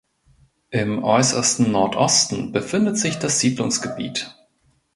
Im äußersten Nordosten befindet sich das Siedlungsgebiet.